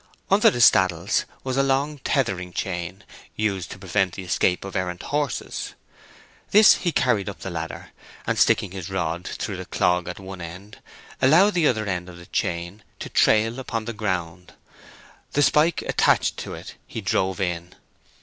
Under the staddles was a long tethering chain, used to prevent the escape of errant horses. This he carried up the ladder, and sticking his rod through the clog at one end, allowed the other end of the chain to trail upon the ground. The spike attached to it he drove in.